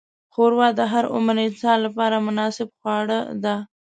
ښوروا د هر عمر انسان لپاره مناسب خواړه ده.